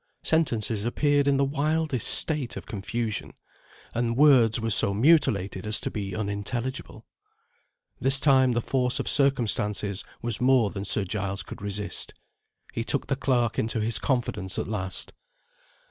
Sentences appeared in the wildest state of confusion, and words were so mutilated as to be unintelligible. This time the force of circumstances was more than Sir Giles could resist. He took the clerk into his confidence at last.